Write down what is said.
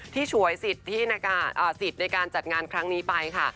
ที่ฉวยสิทธิ์ในการจัดงานครั้งนี้ไปค่ะ